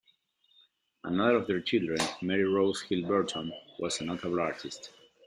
Another of their children, Mary Rose Hill Burton, was a notable artist.